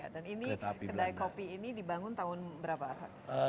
dan ini kedai kopi ini dibangun tahun berapa